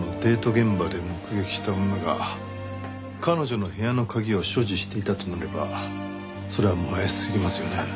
現場で目撃した女が彼女の部屋の鍵を所持していたとなればそりゃもう怪しすぎますよね。